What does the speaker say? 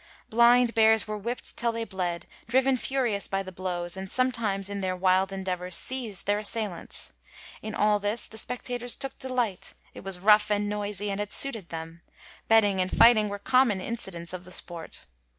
Blind bears were whipt till they bled, driven furious by the blows, and sometimes in their wild endeavors seizd their assailants. In all this the spectators took delight; it was rough and noisy, and it suited them : betting and fighting were common incidents of the * sport.'